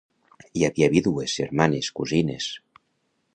Hi havia vídues, germanes, cosines.